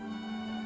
setiap senulun buat